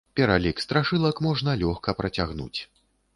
Пералік страшылак можна лёгка працягнуць.